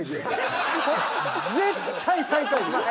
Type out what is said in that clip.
絶対最下位です。